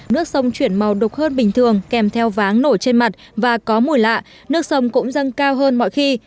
nước sông chuyển màu đục hơn bình thường kèm theo váng nổi trên mặt và có mùi lạ nước sông cũng dâng cao hơn mọi khi